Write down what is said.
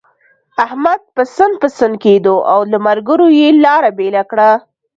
احمد پسن پسن کېدو، او له ملګرو يې لاره بېله کړه.